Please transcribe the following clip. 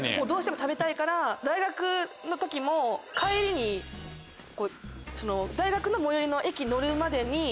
どうしても食べたいから大学の時も帰りに大学の最寄りの駅乗るまでに。